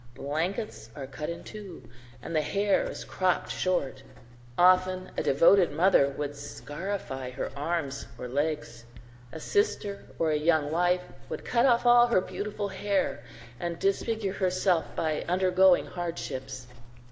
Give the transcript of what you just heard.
Blankets are cut in two, and the hair is cropped short. Often a devoted mother would scarify her arms or legs; a sister or a young wife would cut off all her beautiful hair and disfigure herself by undergoing hardships.